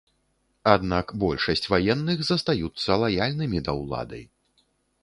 Аднак большасць ваенных застаюцца лаяльнымі да ўлады.